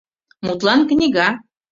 Мутлан, книга...